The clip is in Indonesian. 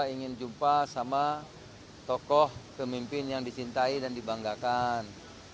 saya ingin jumpa sama tokoh pemimpin yang dicintai dan dibanggakan